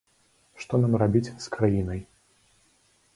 Што нам рабіць з краінай.